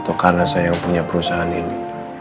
atau karena saya yang punya perusahaan ini